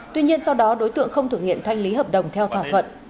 tuy nhiên sau đó đối tượng không thực hiện thanh lý hợp đồng theo thỏa thuận